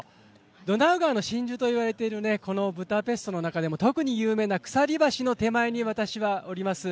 ドナウ川の真珠といわれているブダペストの中でも特に有名な橋の手前に私はおります。